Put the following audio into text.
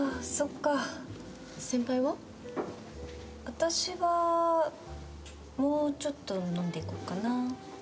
私はもうちょっと飲んでいこうかな。